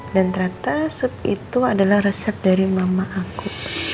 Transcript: dan ternyata sup itu adalah resep dari mama aku